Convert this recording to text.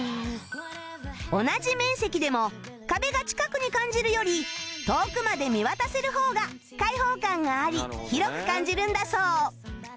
同じ面積でも壁が近くに感じるより遠くまで見渡せる方が開放感があり広く感じるんだそう